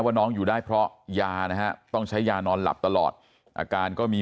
ว่าน้องอยู่ได้เพราะยานะฮะต้องใช้ยานอนหลับตลอดอาการก็มี